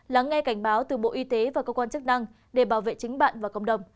lắng nghe cảnh báo từ bộ y tế và cơ quan chức năng để bảo vệ chính bạn và cộng đồng